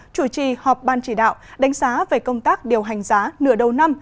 chủ trì họp ban chỉ đạo đánh giá về công tác điều hành giá nửa đầu năm